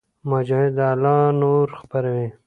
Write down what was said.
مجاهد د الله نور خپروي.